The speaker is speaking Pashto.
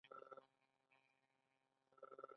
د پښو درد لپاره د کوم شي تېل وکاروم؟